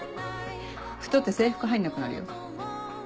太って制服入んなくなるよ。